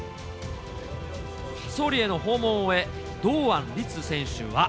総理への訪問を終え、堂安律選手